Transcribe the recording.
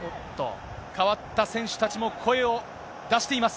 代わった選手たちも声を出しています。